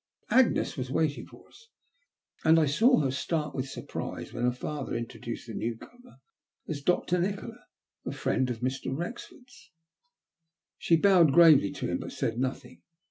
Agnes was waiting for us, and I saw her start with surprise when her father introduced the newcomer as Dr. Nikola, a friend of Mr. Wrexford's. She bowed gravely to him, but said nothing.